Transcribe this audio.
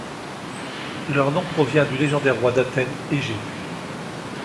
Leur nom provient du légendaire roi d'Athènes Égée.